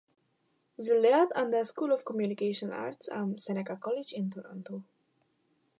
Sie lehrt an der School of Communication Arts am Seneca College in Toronto.